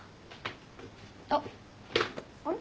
あっあれ？